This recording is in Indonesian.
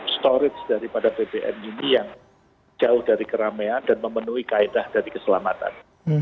storage daripada bbm ini yang jauh dari keramaian dan memenuhi kaedah dari keselamatan